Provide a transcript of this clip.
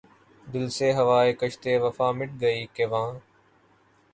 دل سے ہواے کشتِ وفا مٹ گئی کہ واں